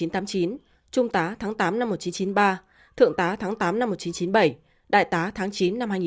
trung tá tháng tám một nghìn chín trăm chín mươi ba thượng tá tháng tám một nghìn chín trăm chín mươi bảy đại tá tháng chín hai nghìn một